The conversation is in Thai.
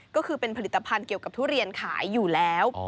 ก็คือเป็นผลิตภัณฑ์เกี่ยวกับทุเรียนขายอยู่แล้ว